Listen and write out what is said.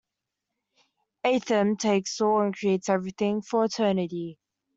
Athum takes all and creates everything, for eternity.